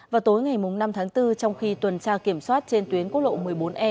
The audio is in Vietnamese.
vào tối ngày năm tháng bốn trong khi tuần tra kiểm soát trên tuyến quốc lộ một mươi bốn e